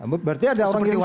berarti ada orang ngirim surat